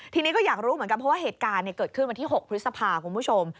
ทีนี้ก็อยากรู้เหมือนกันเพราะว่าเหตุการณ์เกิดขึ้นวันที่๖พฤษภาคุณผู้ชม